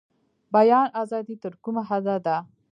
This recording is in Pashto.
بیان ازادي تر کومه حده ده؟